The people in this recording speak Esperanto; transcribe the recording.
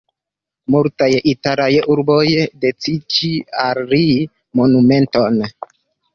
Multaj italaj urboj dediĉi al li monumenton.